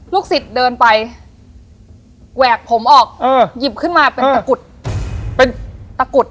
สิทธิ์เดินไปแหวกผมออกเออหยิบขึ้นมาเป็นตะกุดเป็นตะกุด